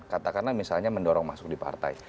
katakanlah misalnya mendorong masuk di partai